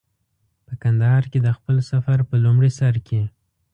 په کندهار کې د خپل سفر په لومړي سر کې.